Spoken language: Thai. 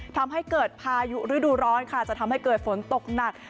ทำให้เกิดพายุฤดูร้อนค่ะจะทำให้เกิดฝนตกหนัก